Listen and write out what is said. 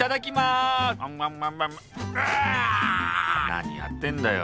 何やってんだよ。